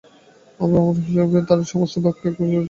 আমরা ব্রহ্মস্বরূপ, আমাদের আর সমস্ত ভাবকে এইভাবে ডুবিয়ে দিতে হবে।